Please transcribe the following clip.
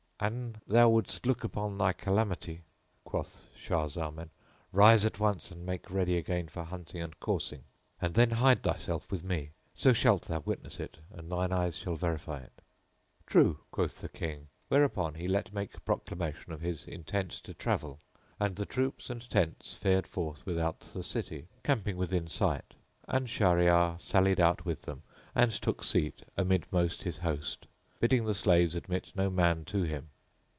"An thou wouldst look upon thy calamity," quoth Shah Zaman, "rise at once and make ready again for hunting and coursing.[FN#10] and then hide thyself with me, so shalt thou witness it and thine eyes shall verify it." "True," quoth the King; whereupon he let make proclamation of his intent to travel, and the troops and tents fared forth without the city, camping within sight, and Shahryar sallied out with them and took seat amidmost his host, bidding the slaves admit no man to him.